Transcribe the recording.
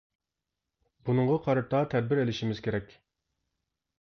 بۇنىڭغا قارىتا تەدبىر ئېلىشىمىز كېرەك.